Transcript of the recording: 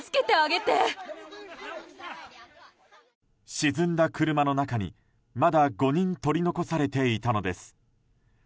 沈んだ車の中に、まだ５人取り残されていたのです。